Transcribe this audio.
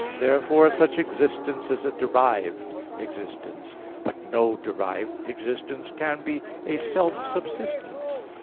Therefore such existence is a derived existence. But no derived existence can be a self subsistence.